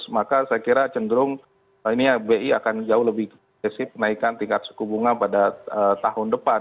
maka saya kira cenderung bi akan jauh lebih naikkan tingkat suku bunga pada tahun depan